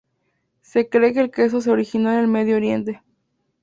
Se cree que el queso se originó en el Medio Oriente.